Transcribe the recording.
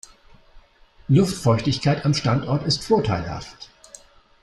Luftfeuchtigkeit am Standort ist vorteilhaft.